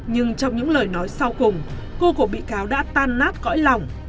nhưng trong những lời nói sau cùng cô của bị cáo đã tan nát cõi lòng